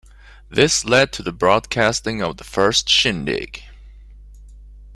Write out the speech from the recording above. This led to the broadcasting of the first Shindig!